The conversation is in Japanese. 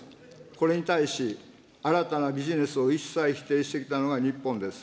これに対し新たなビジネスを一切否定してきたのが日本です。